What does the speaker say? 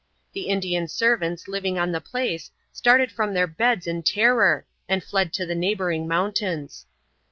The Indian servants living on the place started from their beds in terror, and fled to the neighboring mountains.